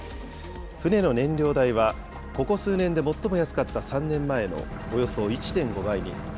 船の燃料代は、ここ数年で最も安かった３年前のおよそ１．５倍に。